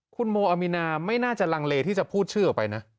คุณโมอามีนาไม่น่าจะลังเลที่จะพูดชื่อออกไปนะ